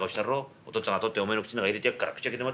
お父っつぁんが取っておめえの口ん中入れてやっから口開けて待っ